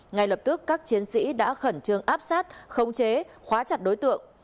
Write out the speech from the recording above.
ngay lập tức các chiến sĩ đã khẩn trương áp sát khống chế khóa chặt đối tượng